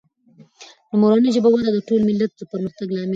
د مورنۍ ژبې وده د ټول ملت د پرمختګ لامل دی.